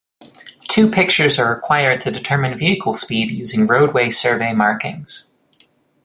Two pictures are required to determine vehicle speed using roadway survey markings.